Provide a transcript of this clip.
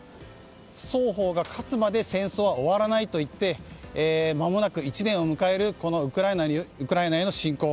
双方が勝つまで戦争は終わらないといってまもなく１年を迎えるウクライナへの侵攻。